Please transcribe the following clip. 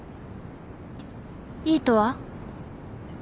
「いい」とは？